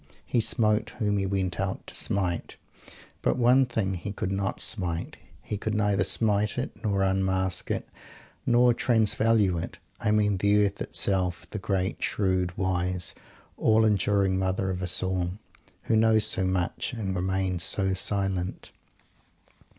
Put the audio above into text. He smote whom he went out to smite. But one thing he could not smite; he could neither smite it, or unmask it, or "transvalue" it. I mean the Earth itself the great, shrewd, wise, all enduring Mother of us all who knows so much, and remains so silent!